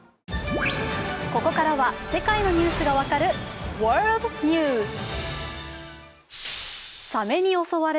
ここからはあ世界のニュースが分かるワールドニュース。